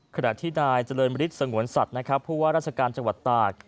ขณะที่นายเจริญฤทธิ์สงวนสัตว์นะครับผู้ว่าราชการจังหวัดตาก